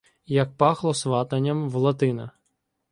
Як пахло сватанням в Латина